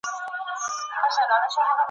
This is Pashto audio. چي د آس پر ځای چا خر وي درولی `